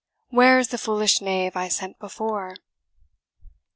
Where is the foolish knave I sent before?